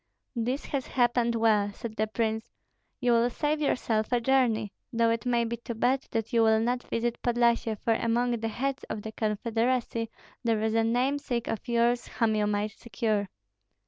"This has happened well," said the prince, "You will save yourself a journey, though it may be too bad that you will not visit Podlyasye, for among the heads of the confederacy there is a namesake of yours whom you might secure."